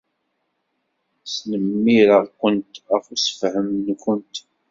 Snemmireɣ-kent ɣef ussefhem-nwent.